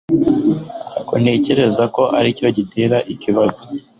Ntabwo ntekereza ko aricyo gitera ikibazo